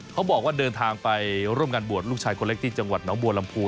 เขาบอกว่าเดินทางไปร่วมงานบวชลูกชายคนเล็กที่จังหวัดน้องบัวลำพู